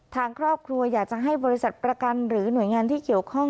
ทางครอบครัวอยากจะให้บริษัทประกันหรือหน่วยงานที่เกี่ยวข้อง